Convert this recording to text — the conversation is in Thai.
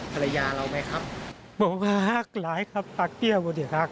เพราะนี่แล้วก็ข้างหน้านะครับคือคุณที่ว่า